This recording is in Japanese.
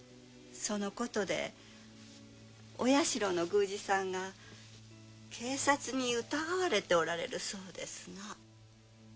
そのことでお社の宮司さんが警察に疑われておられるそうですな。